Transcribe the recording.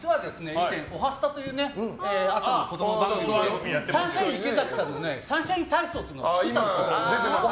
以前「おはスタ」という朝の子供番組でサンシャイン池崎さんのサンシャイン体操っていうのを作ったんです。